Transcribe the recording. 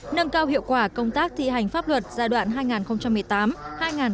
nâng cao hiệu quả công tác thi hành pháp luật giai đoạn hai nghìn một mươi tám hai nghìn hai mươi